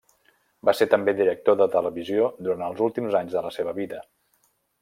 Va ser també director de televisió durant els últims anys de la seva vida.